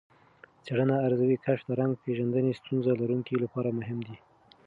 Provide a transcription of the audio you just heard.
څېړنه ارزوي، کشف د رنګ پېژندنې ستونزه لرونکو لپاره مهم دی.